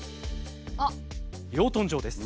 養豚場です。